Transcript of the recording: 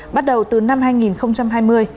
bắt đầu từ năm hai nghìn hai mươi